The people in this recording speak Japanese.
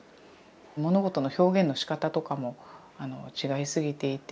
物事の表現のしかたとかも違いすぎていて。